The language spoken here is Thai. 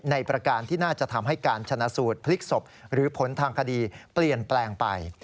ประการที่น่าจะทำให้การชนะสูตรพลิกศพหรือผลทางคดีเปลี่ยนแปลงไป